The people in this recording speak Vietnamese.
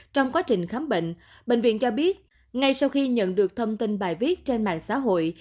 trong quá trình khám bệnh bệnh viện cho biết ngay sau khi nhận được thông tin bài viết trên mạng xã hội